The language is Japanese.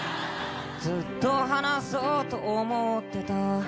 「ずっと話そうと思ってた」